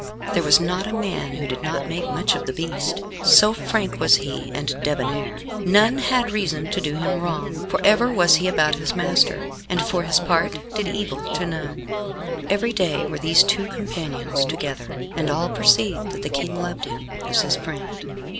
There was not a man who did not make much of the beast, so frank was he and debonair. None had reason to do him wrong, for ever was he about his master, and for his part did evil to none. Every day were these two companions together, and all perceived that the King loved him as his friend.